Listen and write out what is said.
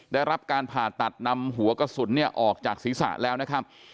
ได้รับการผ่าตัดนำหัวกระสุนเนี่ยออกจากศีรษะแล้วนะครับ